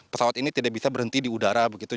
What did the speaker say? pesawat ini tidak bisa berhenti di udara begitu